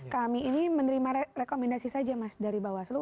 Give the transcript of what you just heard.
kami ini menerima rekomendasi saja mas dari bawah seluruh